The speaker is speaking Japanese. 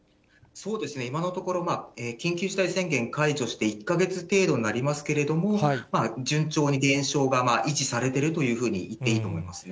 そうですね、今のところ、緊急事態宣言解除して１か月程度になりますけれども、順調に減少が維持されているというふうに言っていいと思いますね。